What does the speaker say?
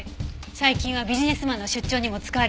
最近はビジネスマンの出張にも使われるそうですよ。